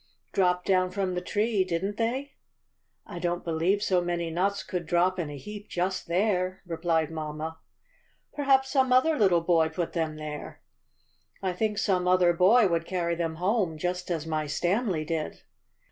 "Dropped do wn from the tree, didn't they ?'' "I don't believe so many nuts could drop in a heap just there," replied mamma. "Perhaps some other little boy put them there." "I think some other boy would carry them home, just as my Stanley did."